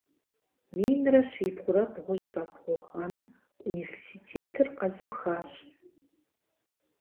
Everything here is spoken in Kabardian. Минрэ щибгъурэ бгъущӏрэ бгъу гъэм университетыр къэзыухащ.